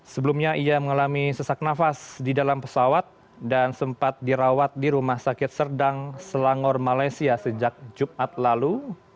sebelumnya ia mengalami sesak nafas di dalam pesawat dan sempat dirawat di rumah sakit serdang selangor malaysia sejak jumat lalu